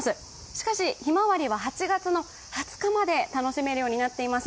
しかし、ひまわりは８月２０日まで楽しめるようになっています。